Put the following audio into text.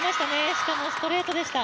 しかもストレートでした。